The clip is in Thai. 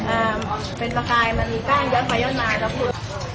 อ่าเป็นปลาไกรมันมีก้านย้อนไปย้อนมาแล้วพูด